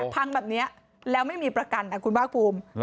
พังแบบนี้แล้วไม่มีประกันคุณภาคภูมิ